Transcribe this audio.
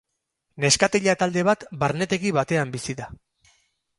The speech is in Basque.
Neskatila talde bat barnetegi batean bizi da.